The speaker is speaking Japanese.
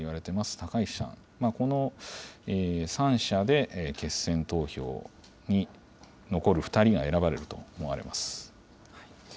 高市さん、この３者で、決選投票に残る２人が選ばれると思われます。